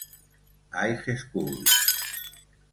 High School.